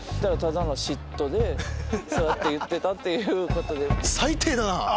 そうやって言ってたっていうことで。